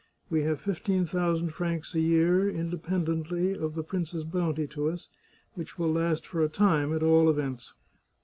We have fifteen thousand francs a year, independently of the prince's bounty to us, which will last for a time, at all events.